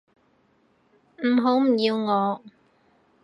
唔好唔要我